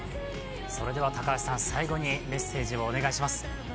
それでは最後にメッセージをお願いします。